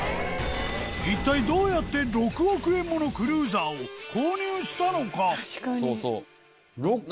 一体どうやって６億円ものクルーザーを購入したのか？